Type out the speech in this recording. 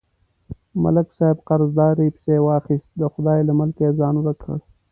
ملک صاحب قرضدارۍ پسې واخیست، د خدای له ملکه یې ځان ورک کړ.